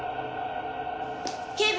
警部。